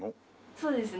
そうですね。